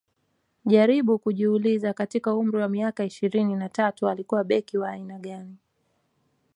jaribu kujiuliza katika umri wa miaka ishirini na tatu alikuwa beki wa aina gani